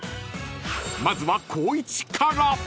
［まずは光一から］